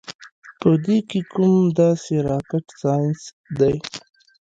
پۀ دې کوم داسې راکټ سائنس دے -